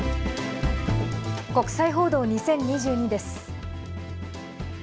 国際報道２０２２です。